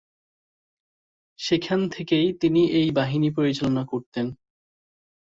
সেখান থেকেই তিনি এই বাহিনী পরিচালনা করতেন।